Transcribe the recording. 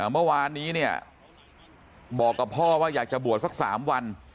เมื่อวานนี้เนี่ยบอกกับพ่อว่าอยากจะบวชสัก๓วัน